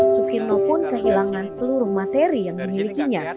sukirno pun kehilangan seluruh materi yang dimilikinya